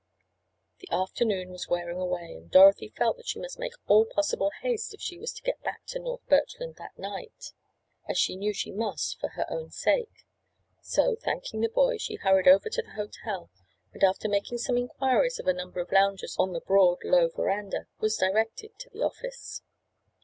The afternoon was wearing away and Dorothy felt that she must make all possible haste if she was to get back to North Birchland that night, as she knew she must for her own sake. So, thanking the boy she hurried over to the hotel, and, after making some inquiries of a number of loungers on the broad, low veranda, was directed to the office.